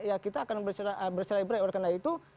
ya kita akan bercerai berai oleh karena itu